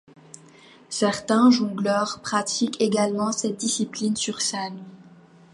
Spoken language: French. Certains jongleurs pratiquent également cette discipline sur scène.